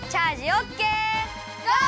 ゴー！